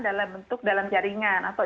dalam bentuk dalam jaringan atau